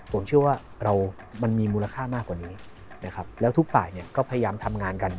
ผมเชื่อว่าเรามันมีมูลค่ามากกว่านี้นะครับแล้วทุกฝ่ายเนี่ยก็พยายามทำงานกัน